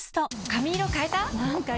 髪色変えた？